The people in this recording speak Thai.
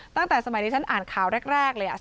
ตั้งแต่สมัยที่ฉันอ่านข่าวแรกเลย